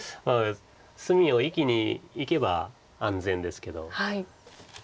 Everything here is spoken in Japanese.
隅を生きにいけば安全ですけど。